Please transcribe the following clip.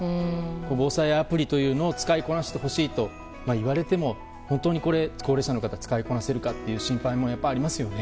防災アプリというのを使いこなしてほしいと言われても本当にこれを高齢者の方が使いこなせるかという心配もやっぱりありますよね。